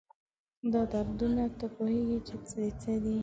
دا دردونه، تۀ پوهېږي چې د څه دي؟